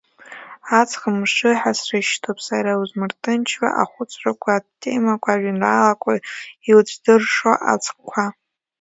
Аҵх мшы ҳәа срышьҭоуп сара узмырҭынчуа ахәыцрақәа, атемақәа, ажәеинраалақәа иуцәдыршо аҵхқәа.